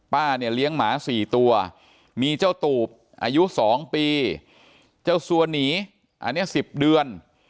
ป้าเนี่ยเลี้ยงหมา๔ตัวมีเจ้าตูบอายุ๒ปีเจ้าสัวหนีอันนี้๑๐เดือน